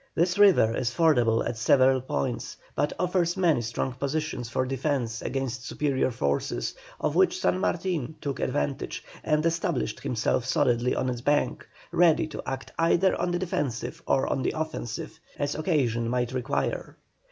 This river is fordable at several points, but offers many strong positions for defence against superior forces, of which San Martin took advantage, and established himself solidly on its bank, ready to act either on the defensive or on the offensive, as occasion might require.